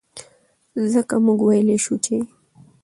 ځکه مونږ وئيلے شو چې